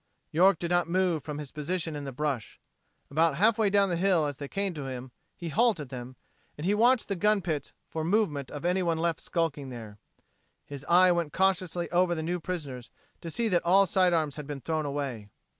York did not move from his position in the brush. About halfway down the hill as they came to him, he halted them, and he watched the gun pits for the movement of anyone left skulking there. His eye went cautiously over the new prisoners to see that all side arms had been thrown away.